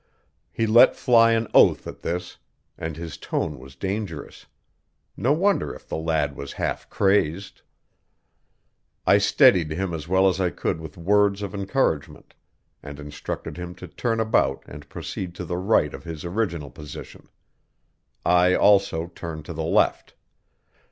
He let fly an oath at this, and his tone was dangerous; no wonder if the lad was half crazed! I steadied him as well as I could with word of encouragement, and instructed him to turn about and proceed to the right of his original position. I, also, turned to the left.